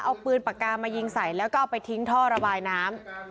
เอาปืนปากกามายิงใส่แล้วก็เอาไปทิ้งท่อระบายน้ำ